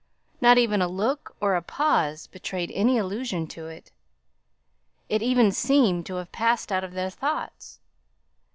Not even a look, or a pause, betrayed any allusion to it; it even seemed to have passed out of their thoughts.